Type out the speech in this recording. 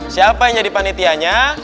siapa yang jadi panitianya